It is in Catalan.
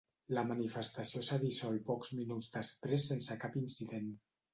La manifestació s’ha dissolt pocs minuts després sense cap incident.